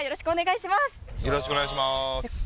よろしくお願いします。